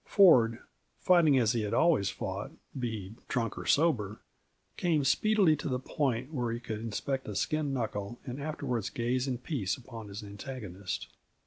Ford, fighting as he had always fought, be he drunk or sober, came speedily to the point where he could inspect a skinned knuckle and afterwards gaze in peace upon his antagonist.